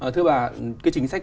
thưa bà cái chính sách